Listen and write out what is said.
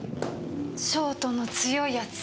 ショートの強いやつ。